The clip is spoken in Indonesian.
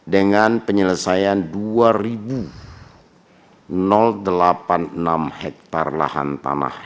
dengan penyelesaian dua delapan puluh enam hektare lahan tanah